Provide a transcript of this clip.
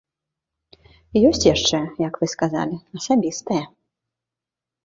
Ёсць яшчэ, як вы сказалі, асабістае.